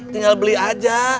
tinggal beli saja